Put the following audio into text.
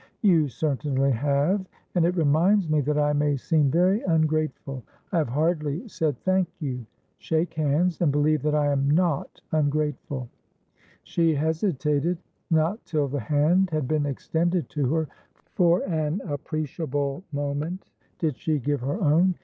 "You certainly have. And it reminds me that I may seem very ungrateful; I have hardly said 'thank you.' Shake hands, and believe that I am not ungrateful." She hesitated. Not till the hand had been extended to her for an appreciable moment, did she give her own.